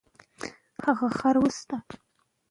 شهزادګان له سیاسي چارو څخه لیرې ساتل کېدل.